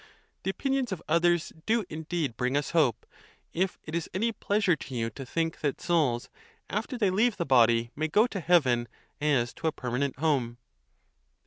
The opinions of others do indeed bring us hope; if it is any pleasure to you to think that souls, after they leave the body, may go to heaven as to a permanent home.